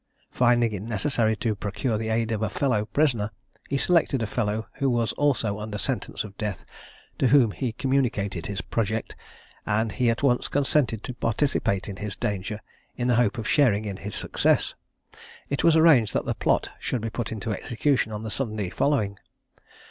Finding it necessary to procure the aid of a fellow prisoner, he selected a fellow who was also under sentence of death, to whom he communicated his project, and he at once consented to participate in his danger, in the hope of sharing in his success. It was arranged that the plot should be put into execution on the Sunday following.